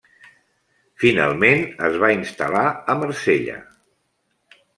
Finalment es va instal·lar a Marsella.